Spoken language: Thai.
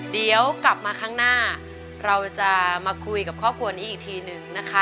เดี๋ยวกลับมาข้างหน้าเราจะมาคุยกับครอบครัวนี้อีกทีนึงนะคะ